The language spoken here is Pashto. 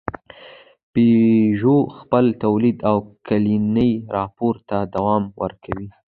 پيژو خپل تولید او کلني راپور ته دوام ورکوي.